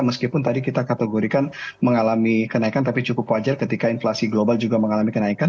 meskipun tadi kita kategorikan mengalami kenaikan tapi cukup wajar ketika inflasi global juga mengalami kenaikan